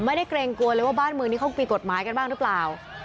เกรงกลัวเลยว่าบ้านเมืองนี้เขามีกฎหมายกันบ้างหรือเปล่า